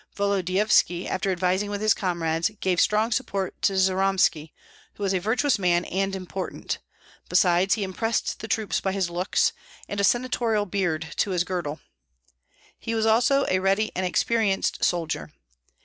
Volodyovski, after advising with his comrades, gave strong support to Jyromski, who was a virtuous man and important; besides, he impressed the troops by his looks, and a senatorial beard to his girdle. He was also a ready and experienced soldier.